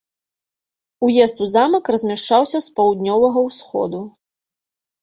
Уезд у замак размяшчаўся з паўднёвага ўсходу.